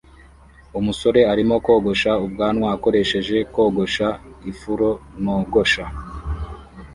Umusore arimo kogosha ubwanwa akoresheje kogosha ifuro nogosha